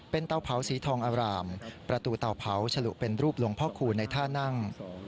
เป็นเตาเผาสีทองอารามประตูเตาเผาฉลุเป็นรูปหลวงพ่อคูณในท่านั่ง